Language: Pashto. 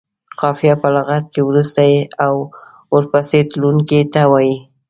قافیه په لغت کې وروسته او ورپسې تلونکي ته وايي.